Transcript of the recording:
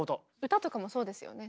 歌とかもそうですよね。